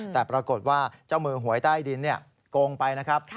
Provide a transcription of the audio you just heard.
แต่ปรากฏว่าเจ้ามือหวยใต้ดินโกงไปนะครับ